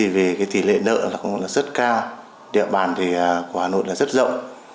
vì tỷ lệ nợ cũng rất cao địa bàn của hà nội rất rộng